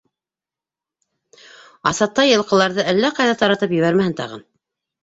Асатай йылҡыларҙы әллә ҡайҙа таратып ебәрмәһен тағы.